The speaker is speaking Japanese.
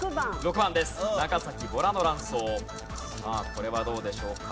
これはどうでしょうか？